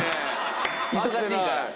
忙しいから。